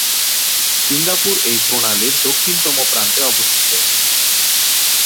Singapore এই প্রণালীর দক্ষিণতম প্রান্তে অবস্থিত।